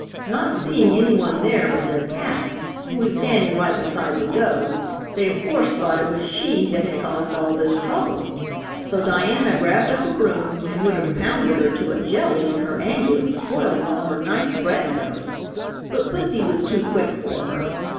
Not seeing anyone there but their cat, who was standing right beside the dough, they of course thought it was she that had caused all this trouble. So Diana grabbed up a broom and would have pounded her to a jelly in her anger at spoiling all her nice bread dough, but pussy was too quick for her.